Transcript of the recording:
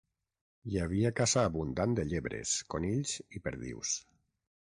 Hi havia caça abundant de llebres, conills i perdius.